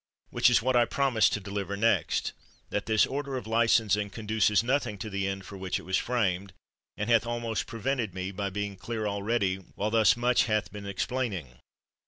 Which is what I promised to deliver next, That this order of licensing conduces nothing to the end for which it was framed ; and hath almost prevented me by being clear already while thus much hath been explaining.